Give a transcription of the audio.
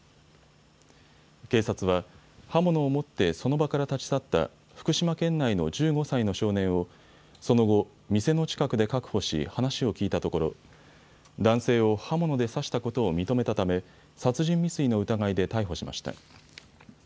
警察は刃物を持ってその場から立ち去った福島県内の１５歳の少年をその後、店の近くで確保し話を聞いたところ男性を刃物で刺したことを認めたため殺人未遂の疑いで逮捕しました。